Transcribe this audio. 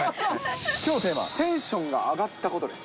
きょうのテーマ、テンションが上がったことです。